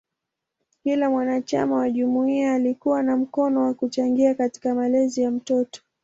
Kila mwanachama wa jumuiya alikuwa na mkono kwa kuchangia katika malezi ya mtoto.